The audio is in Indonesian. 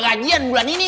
gajian bulan ini